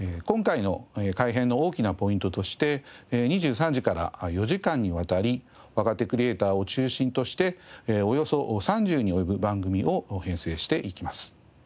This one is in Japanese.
今回の改変の大きなポイントとして２３時から４時間にわたり若手クリエーターを中心としておよそ３０に及ぶ番組を編成していきます。